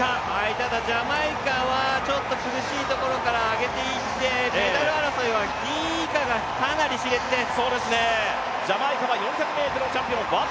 ただ、ジャマイカはちょっと厳しいところから上げていってメダル争いは２位以下がかなりしれつです。